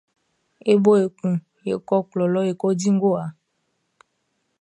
E bo yo kun e kɔ klɔ lɔ e ko di ngowa.